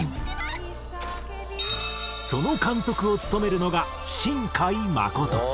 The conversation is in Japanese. その監督を務めるのが新海誠。